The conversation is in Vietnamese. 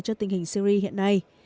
cho tình hình syri hiện nay